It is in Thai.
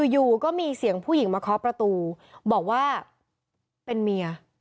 อยู่ก็มีเสียงผู้หญิงมาเคาะประตูบอกว่าเป็นเมีย